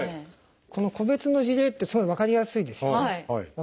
この個別の事例ってすごい分かりやすいですよね。